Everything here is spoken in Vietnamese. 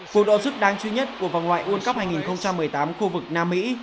cuộc độ rất đáng chú nhất của vòng loại world cup hai nghìn một mươi tám khu vực nam mỹ